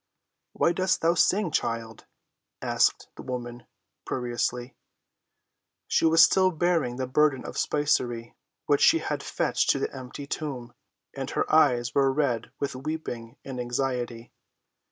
"Why dost thou sing, child?" asked the woman querulously. She was still bearing the burden of spicery which she had fetched to the empty tomb, and her eyes were red with weeping and anxiety.